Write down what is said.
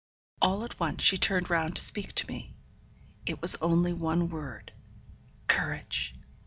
All at once she turned round to speak to me. It was only one word, 'Courage!'